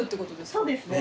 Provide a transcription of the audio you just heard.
そうですね。